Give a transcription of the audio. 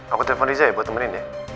aku telepon rizai buat temenin ya